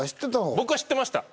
僕は知ってました。